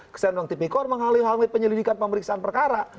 kesan uang tipikor menghalangi penyelidikan pemeriksaan perkara